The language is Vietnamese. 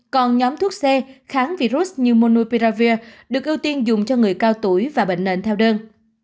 còn nhóm thuốc xe kháng virus như monopia được ưu tiên dùng cho người cao tuổi và bệnh nền theo đơn